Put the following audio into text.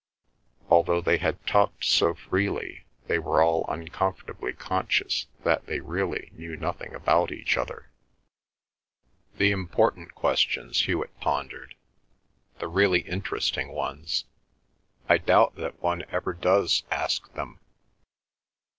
Although they had talked so freely they were all uncomfortably conscious that they really knew nothing about each other. "The important questions," Hewet pondered, "the really interesting ones. I doubt that one ever does ask them."